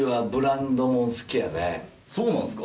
そうなんすか？